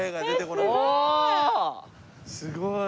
すごい。